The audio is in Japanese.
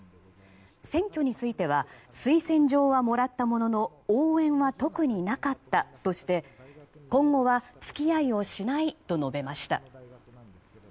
選挙については推薦状はもらったものの応援は特になかったとして今後は付き合いをしないと述べました。